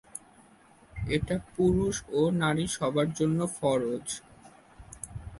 এটা পুরুষ ও নারী সবার জন্য ফরজ।